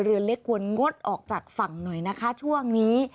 เรือเล็กควรงดออกจากฝั่งหน่อยนะคะช่วงนี้